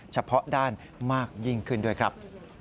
เฉพาะด้านมากยิ่งขึ้นด้วยครับ